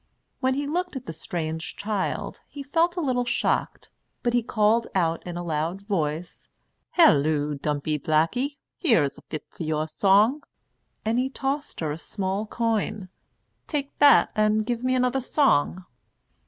When he looked at the strange child he felt a little shocked; but he called out in a loud voice, "Halloo, Dumpey Blackie! here is a fip for your song"; and he tossed her a small coin. "Take that, and give me another song."